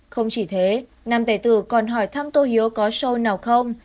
không chỉ thế nam tài tử còn hỏi thăm tô hiếu có show nào không